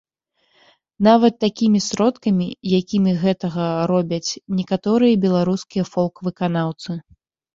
Нават такімі сродкамі, якімі гэтага робяць некаторыя беларускія фолк-выканаўцы.